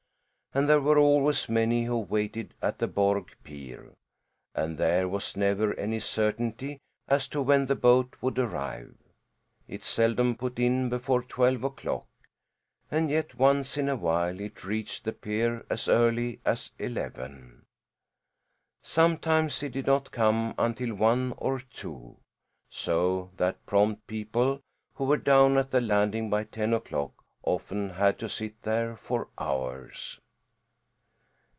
And there were always many who waited at the Borg pier, as there was never any certainty as to when the boat would arrive. It seldom put in before twelve o'clock, and yet once in a while it reached the pier as early as eleven. Sometimes it did not come until one or two; so that prompt people, who were down at the landing by ten o'clock, often had to sit there for hours.